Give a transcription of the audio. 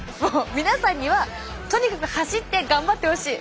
皆さんにはとにかく走って頑張ってほしい。